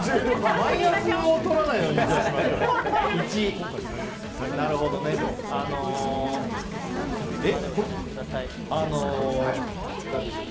マイナスを取らないようにしましょう。